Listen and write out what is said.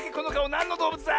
なんのどうぶつだ？